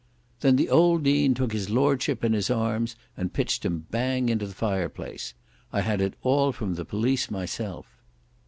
"Then the old Dean took his lordship in his arms, and pitched him bang into the fireplace. I had it all from the police myself."